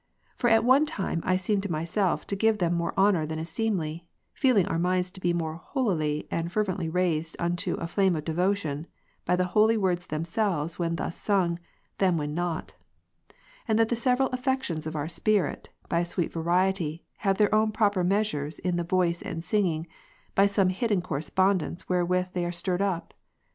For at onetime I seem to myself to give them more honour than is seemly, feeling our minds to be more holily and fervently raised unto a flame of devotion, by the holy words themselves when thus sung, than when not ; and that the several affections of our spirit, by a sweet variety, have their own proper measm*es in the voice and singing, by some hidden correspondence where with they are stirred up.